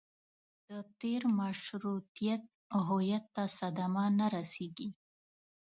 د تېر مشروطیت هویت ته صدمه نه رسېږي.